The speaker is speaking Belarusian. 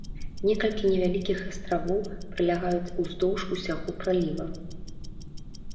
Некалькі невялікіх астравоў пралягаюць уздоўж усяго праліва.